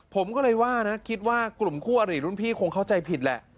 ผมก็เลยว่านะคิดว่ากลุ่มคู่อริรุ่นพี่คงเข้าใจผิดแหละ